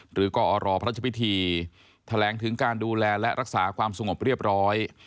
กอรพระราชพิธีแถลงถึงการดูแลและรักษาความสงบเรียบร้อย